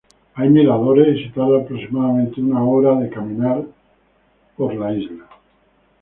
Hay miradores y se tarda aproximadamente una hora de caminar alrededor de la isla.